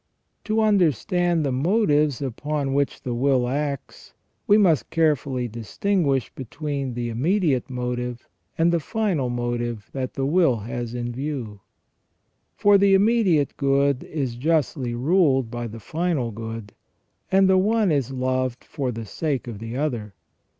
To understand the motives upon which the will acts, we must carefully distinguish between the immediate motive and the final motive that the will has in view. For the immediate good is justly ruled by the final good, and the one is loved for the sake of the other.